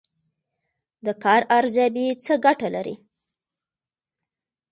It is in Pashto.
د کار ارزیابي څه ګټه لري؟